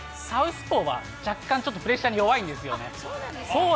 サウスポーは、若干プレッシャーに弱いんですよね。